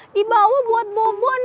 dibawa buat bobo nemenin